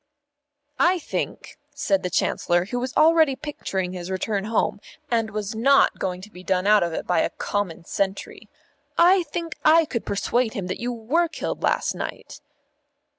"I think," said the Chancellor, who was already picturing his return home, and was not going to be done out of it by a common sentry, "I think I could persuade him that you were killed last night."